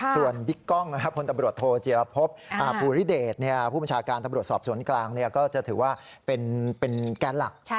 ส่วนบิ๊กก้องพตโจรพปภูริเดชผู้ประชาการตสกก็จะถือว่าเป็นแก๊สหลัก